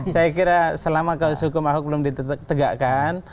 saya kira selama suku ahok belum ditegakkan